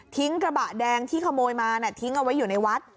กระบะแดงที่ขโมยมาทิ้งเอาไว้อยู่ในวัด